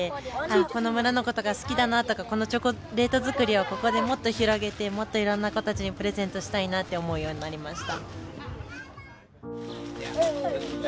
この村のことが好きだなとかこのチョコレート作りをここでもっと広げてもっといろんな子たちにプレゼントしたいなって思うようになりました。